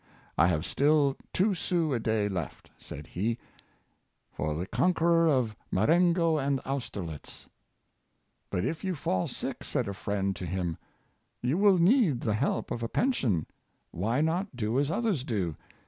I have still two sous a day left," said he, " for the conqueror of Marengo and Austerlitz." '' But if you fall sick," said a friend to him, '' you will need the help of a pension. Why not do as others do.